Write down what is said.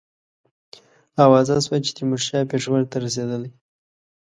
آوازه سوه چې تیمورشاه پېښور ته رسېدلی.